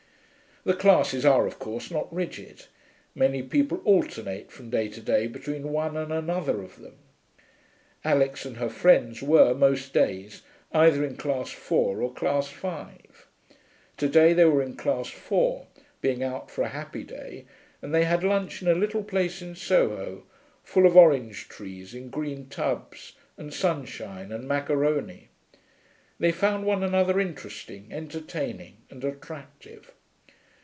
The classes are, of course, not rigid; many people alternate from day to day between one and another of them. Alix and her friends were, most days, either in class four or class five. To day they were in class four, being out for a happy day, and they had lunch in a little place in Soho, full of orange trees in green tubs, and sunshine, and maccaroni. They found one another interesting, entertaining, and attractive.